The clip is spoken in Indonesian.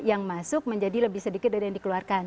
yang masuk menjadi lebih sedikit dari yang dikeluarkan